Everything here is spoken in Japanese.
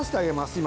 今。